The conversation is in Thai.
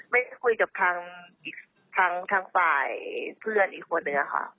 ไม่ได้คุยกับทางฝ่ายเพื่อนอีกคนเนี่ยค่ะ